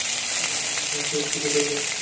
Nassau স্ট্রিটে থাকবেন।